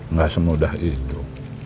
nggak semudah itu